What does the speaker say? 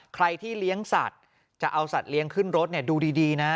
ใครที่เลี้ยงสัตว์จะเอาสัตว์เลี้ยงขึ้นรถดูดีนะ